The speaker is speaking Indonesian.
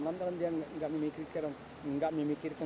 nanti dia tidak memikirkan tidak memikirkan